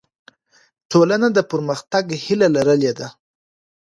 ټولنه د پرمختګ هیله لرلې ده.